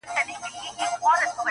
• اوږده ورځ کرار کرار پر تېرېدو وه -